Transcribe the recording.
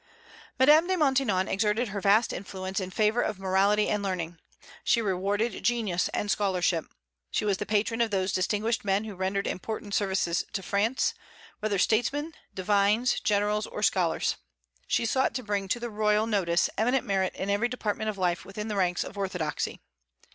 Madame de Maintenon exerted her vast influence in favor of morality and learning. She rewarded genius and scholarship. She was the patron of those distinguished men who rendered important services to France, whether statesmen, divines, generals, or scholars. She sought to bring to the royal notice eminent merit in every department of life within the ranks of orthodoxy.